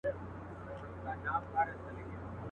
خوله یې ډکه له دعاوو سوه ګویان سو.